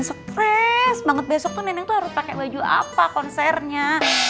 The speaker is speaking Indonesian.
stres banget besok tuh nenek harus pake baju apa konsernya